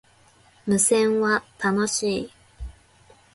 無線は、楽しい